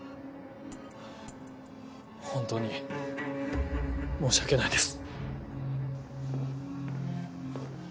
本当に申し訳ないです。